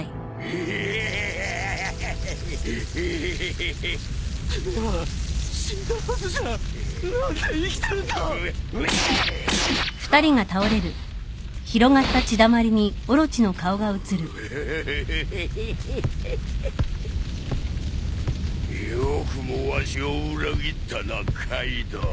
よくもわしを裏切ったなカイドウ。